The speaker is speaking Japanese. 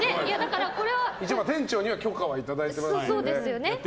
店長には許可はいただいているので。